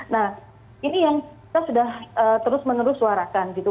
nah ini yang kita sudah terus menerus suarakan gitu